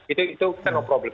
itu itu itu tidak ada masalah